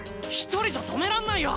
１人じゃ止めらんないよ！